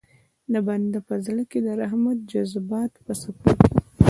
د بنده په زړه کې د رحمت جذبات په څپو وي.